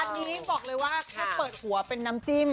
อันนี้บอกเลยว่าแค่เปิดหัวเป็นน้ำจิ้ม